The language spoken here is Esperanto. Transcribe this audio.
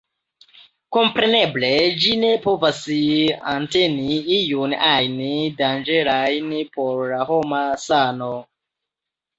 Kompreneble ĝi ne povas enteni iun ajn danĝerajn por la homa sano.